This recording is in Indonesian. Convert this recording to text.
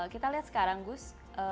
kita lihat sekarang gus